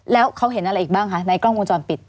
แล้วเขาเห็นอะไรอีกบ้างคะในกล้องวงจรปิด